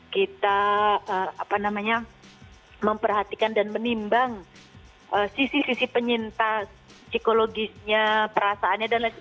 kita memperhatikan dan menimbang sisi sisi penyintas psikologisnya perasaannya dan lain sebagainya